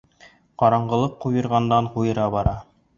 Ҡараңғылыҡ ҡуйырғандан-ҡуйыра бара.